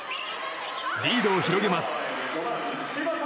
リードを広げます。